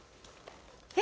え！？